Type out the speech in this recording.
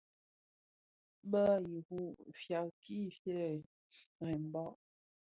Bàb i iru fyàbki fyëë rembàg.